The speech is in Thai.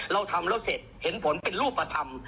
เราทำแล้วเสร็จเห็นผลเป็นรูปธรรม